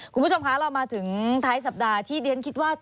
คุณผู้ชมคะเรามาถึงท้ายสัปดาห์ที่เรียนคิดว่า